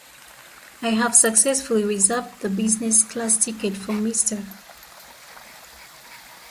I have successfully reserved the business class ticket for Mr.